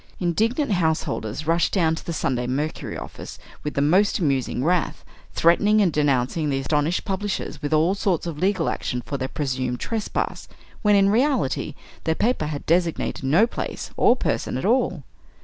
Indignant house holders rushed down to the "Sunday Mercury" office with the most amusing wrath, threatening and denouncing the astonished publishers with all sorts of legal action for their presumed trespass, when in reality, their paper had designated no place or person at all.